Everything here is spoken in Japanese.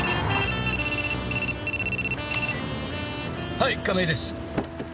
はい亀井です。